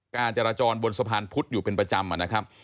การจราจรบนสะพานพุธอยู่เป็นประจำนะครับ